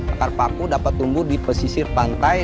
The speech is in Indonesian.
akar paku dapat tumbuh di pesisir pantai